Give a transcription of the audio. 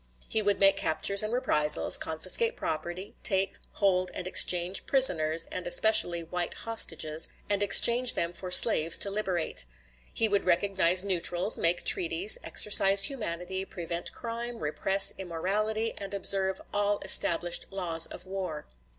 He would make captures and reprisals, confiscate property, take, hold, and exchange prisoners and especially white hostages and exchange them for slaves to liberate. He would recognize neutrals, make treaties, exercise humanity, prevent crime, repress immorality, and observe all established laws of war.